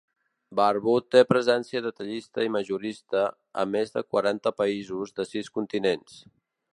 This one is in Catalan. Barbour té presència detallista i majorista a més de quaranta països de sis continents.